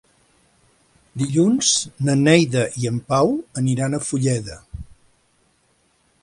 Dilluns na Neida i en Pau aniran a Fulleda.